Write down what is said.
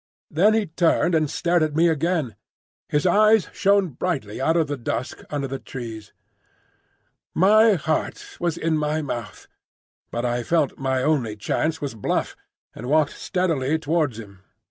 Then he turned and stared at me again. His eyes shone brightly out of the dusk under the trees. My heart was in my mouth; but I felt my only chance was bluff, and walked steadily towards him.